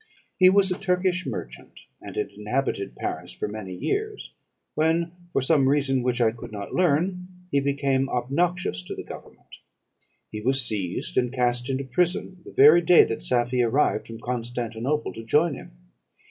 He was a Turkish merchant, and had inhabited Paris for many years, when, for some reason which I could not learn, he became obnoxious to the government. He was seized and cast into prison the very day that Safie arrived from Constantinople to join him.